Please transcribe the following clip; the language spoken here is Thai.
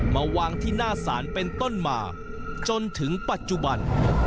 มาวางที่หน้าศาลเป็นต้นมาจนถึงปัจจุบัน